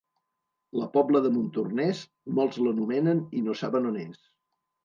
La Pobla de Montornès, molts l'anomenen i no saben on és.